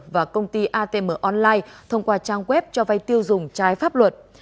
và công ty atm online thông qua trang web cho vay tiêu dùng trái pháp luật